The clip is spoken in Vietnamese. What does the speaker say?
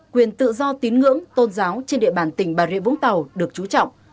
quyền tự do tín ngưỡng tôn giáo trên địa bàn tỉnh bà rịa vũng tàu được trú trọng